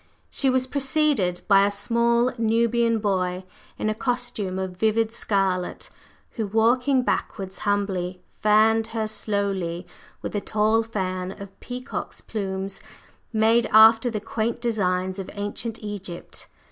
She was preceded by a small Nubian boy in a costume of vivid scarlet, who, walking backwards humbly, fanned her slowly with a tall fan of peacock's plumes made after the quaint designs of ancient Egypt.